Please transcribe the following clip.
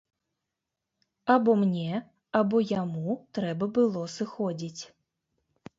Або мне, або яму трэба было сыходзіць.